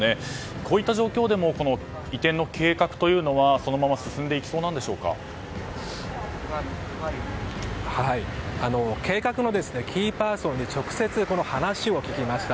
こういった状況でも移転の計画というのはそのまま計画のキーパーソンに直接、話を聞きました。